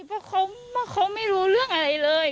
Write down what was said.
เพราะเขาไม่รู้เรื่องอะไรเลย